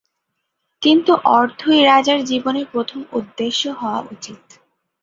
কিন্তু অর্থই রাজার জীবনে প্রথম উদ্দেশ্য হওয়া উচিত।